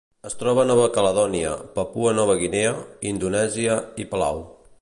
Es troba a Nova Caledònia, Papua Nova Guinea, Indonèsia i Palau.